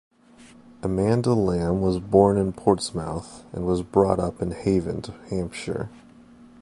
Amanda Lamb was born in Portsmouth and was brought up in Havant, Hampshire.